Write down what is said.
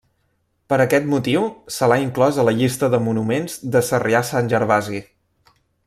Per aquest motiu se l'ha inclòs a la llista de monuments de Sarrià-Sant Gervasi.